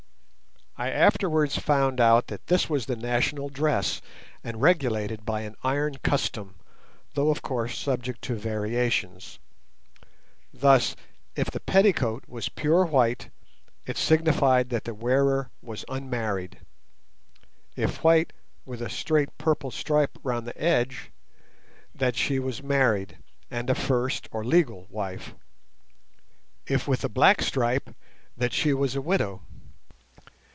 I afterwards found out that this was the national dress, and regulated by an iron custom, though of course subject to variations. Thus, if the petticoat was pure white, it signified that the wearer was unmarried; if white, with a straight purple stripe round the edge, that she was married and a first or legal wife; if with a black stripe, that she was a widow.